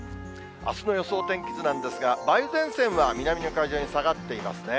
あすの予想天気図なんですが、梅雨前線は南の海上に下がっていますね。